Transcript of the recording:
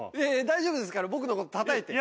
大丈夫ですから僕のことたたいて。